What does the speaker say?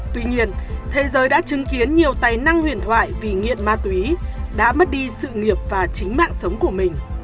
tuy nhiên thế giới đã chứng kiến nhiều tài năng huyền thoại vì nghiện ma túy đã mất đi sự nghiệp và chính mạng sống của mình